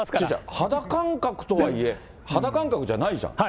肌感覚とはいえ、肌感覚じゃないじゃん。